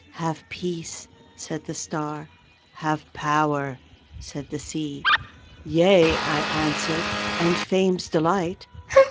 "Have peace," said the star, "Have power," said the sea; "Yea!" I answered, "and Fame's delight!"